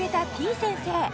先生